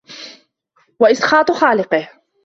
وَإِسْخَاطِ خَالِقِهِ